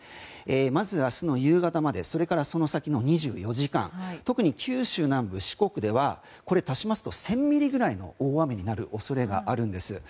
まず、明日の夕方までそれから、その先の２４時間特に九州南部、四国では足しますと１０００ミリぐらいの大雨になる恐れがあります。